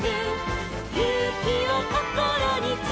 「ゆうきをこころにつめて」